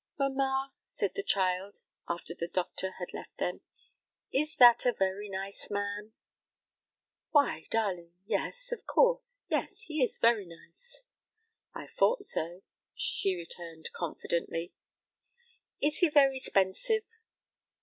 "Mamma," said the child, after the doctor had left them, "is that a very nice man?" "Why, darling; yes of course yes he is very nice." "I fought so," she returned confidently. "Is he very 'spensive?"